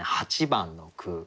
８番の句。